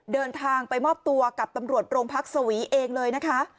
เดินทางไปมอบตัวกับตำรวจโรงพักษวีเองเลยนะคะ